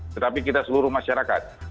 tetapi kita seluruh masyarakat